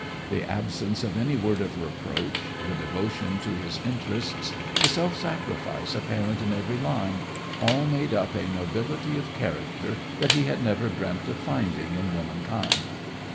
The absence of any word of reproach, the devotion to his interests, the self sacrifice apparent in every line, all made up a nobility of character that he had never dreamt of finding in womankind.